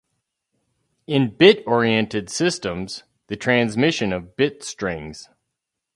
In bit-oriented systems, the transmission of bit strings.